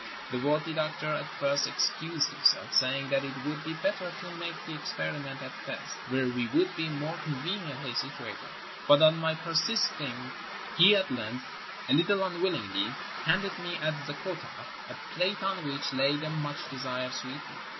The worthy doctor at first excused himself, saying that it would be better to make the ex periment at Fez, where we would be more conveniently situated, but on my persisting he at length, a little un willingly, handed me at Zeggota a plate on which lay the much desired sweetmeat.